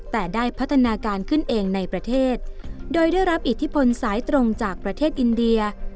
แต่ได้พัฒนาการขึ้นเองในประเทศโดยได้รับอิทธิพลสายตรงจากประเทศอินเดีย